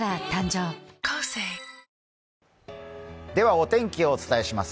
お天気をお伝えします。